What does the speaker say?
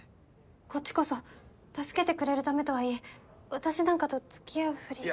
こっちこそ助けてくれるためとはいえ私なんかと付き合うふりなんて。